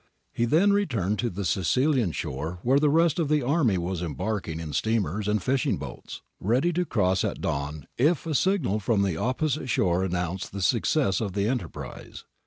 He then returned to the Sicilian shore where the rest of the army was embarking in steamers and fishing boats, ready to cross at dawn if a signal from the opposite shore announced the success of the enterprise.